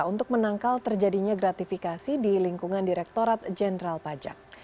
untuk menangkal terjadinya gratifikasi di lingkungan direkturat jenderal pajak